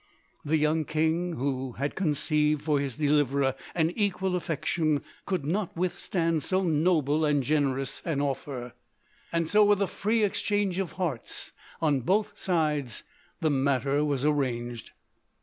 The young king, who had conceived for his deliverer an equal affection, could not withstand so noble and generous an offer: and so with a free exchange of hearts on both sides the matter was arranged.